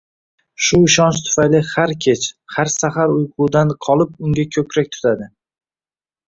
Shu ishonch tufayli har kech, har saxar uyqudan qolib unga ko'krak tutadi.